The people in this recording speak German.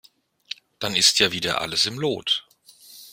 Dann ist ja wieder alles im Lot.